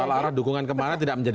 soal arah dukungan kemana